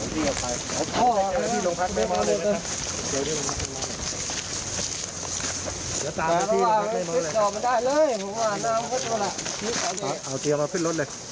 บุคคล